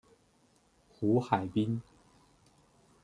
胡海滨。